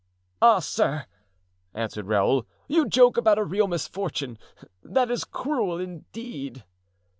"Ah, sir!" answered Raoul, "you joke about a real misfortune; that is cruel, indeed."